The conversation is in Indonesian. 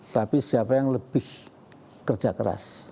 tapi siapa yang lebih kerja keras